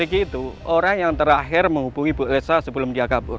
begitu orang yang terakhir menghubungi bu elsa sebelum dia kabur